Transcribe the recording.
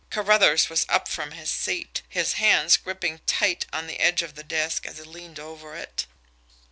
Carruthers was up from his seat, his hands gripping tight on the edge of the desk as he leaned over it.